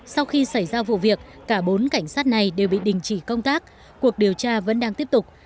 sau khi xảy ra vụ việc cả bốn cảnh sát này đều bị đình chỉ công tác cuộc điều tra vẫn đang tiếp tục